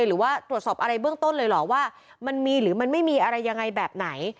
หรือว่าตรวจสอบอะไรเบื้องต้นเลยเหรอว่ามันมีหรือมันไม่มีอะไรยังไงแบบไหน